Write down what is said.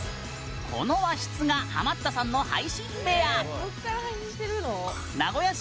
この和室がハマったさんの配信部屋。